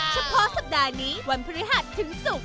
เฉพาะสัปดาห์นี้วันพฤหัสถึงศุกร์